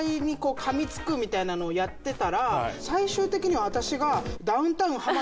みたいなのをやってたら最終的には私が。